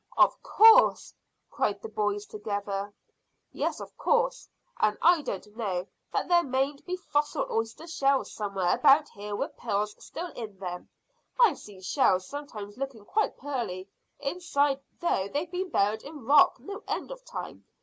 "Of course," cried the boys together. "Yes, of course, and I don't know that there mayn't be fossil oyster shells somewhere about here with pearls still in them. I've seen shells sometimes looking quite pearly inside though they've been buried in rock no end of time.